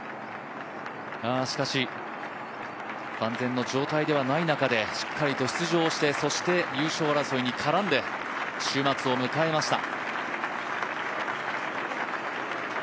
しかし、万全の状態ではない中でしっかりと出場してそして優勝争いに絡んで週末を迎えました。